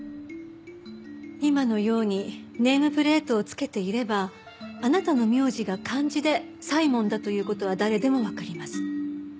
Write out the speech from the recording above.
今のようにネームプレートを付けていればあなたの名字が漢字で柴門だという事は誰でもわかります。